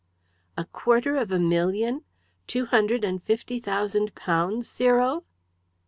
"A quarter of a million! Two hundred and fifty thousand pounds, Cyril!"